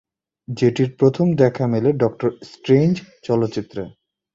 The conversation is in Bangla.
যেটির প্রথম দেখা মেলে ডক্টর স্ট্রেঞ্জ চলচ্চিত্রে।